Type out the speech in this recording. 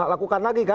lakukan lagi kan